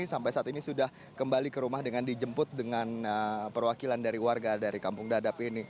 sampai saat ini sudah kembali ke rumah dengan dijemput dengan perwakilan dari warga dari kampung dadap ini